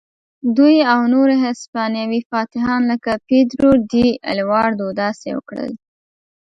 دوی او نور هسپانوي فاتحان لکه پیدرو ډي الواردو داسې وکړل.